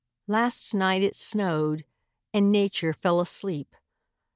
Last night it snowed; and Nature fell asleep.